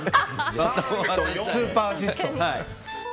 スーパーアシスト。